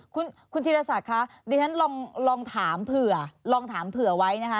คุณธีรศักดิ์คะดิฉันลองถามเผื่อลองถามเผื่อไว้นะคะ